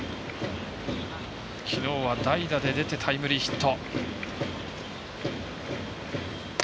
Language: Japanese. きのうは代打で出てタイムリーヒット。